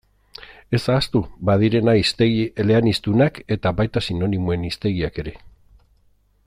Ez ahaztu badirena hiztegi eleaniztunak eta baita sinonimoen hiztegiak ere.